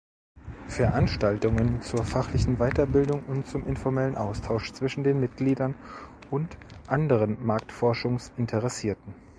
Veranstaltungen zur fachlichen Weiterbildung und zum informellen Austausch zwischen den Mitgliedern und anderen Marktforschungs-Interessierten.